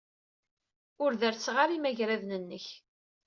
Ur derrseɣ ara imagraden-nnek.